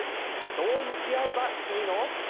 どう向き合えばいいの？